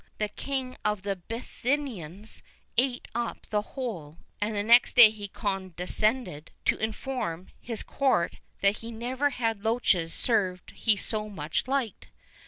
The King of the Bithynians ate up the whole, and the next day he condescended to inform his court that he never had loaches served he so much liked.